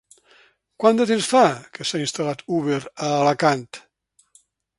Quant de temps fa que s'ha instal·lat Uber a Alacant?